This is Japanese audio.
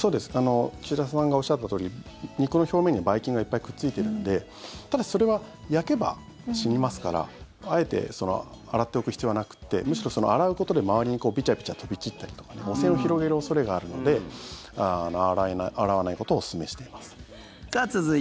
岸田さんがおっしゃったとおり肉の表面には、ばい菌がいっぱいくっついているのでただし、それは焼けば死にますからあえて洗っておく必要はなくてむしろその洗うことで周りにビチャビチャ飛び散ったりとか汚染を広げる恐れがあるので洗わないことをおすすめしています。